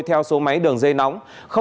theo số máy đường dây nóng